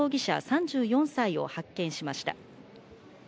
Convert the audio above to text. ３４歳を発見しました。